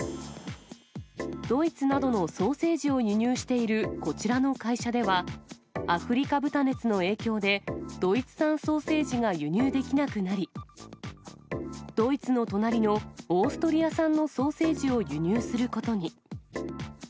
ドイツなどのソーセージを輸入しているこちらの会社では、アフリカ豚熱の影響で、ドイツ産ソーセージが輸入できなくなり、ドイツの隣のオーストリア産のソーセージを輸入することに。